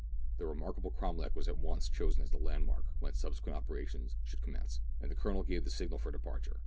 The remarkable cromlech was at once chosen as the landmark whence subsequent operations should com mence, and the Colonel gave the signal for departure.